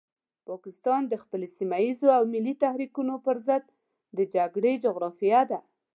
پاکستان د سيمه ييزو او ملي تحريکونو پرضد د جګړې جغرافيې ده.